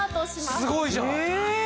すごいじゃん！え！